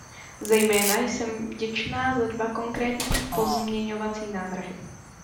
Zejména jsem vděčná za dva konkrétní pozměňovací návrhy.